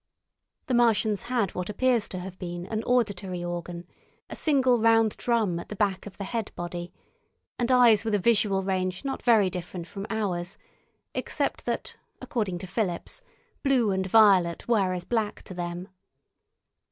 The Martians had what appears to have been an auditory organ, a single round drum at the back of the head body, and eyes with a visual range not very different from ours except that, according to Philips, blue and violet were as black to them.